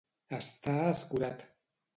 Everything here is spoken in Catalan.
Estar escurat.